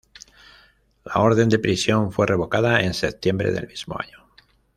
La orden de prisión fue revocada en septiembre del mismo año.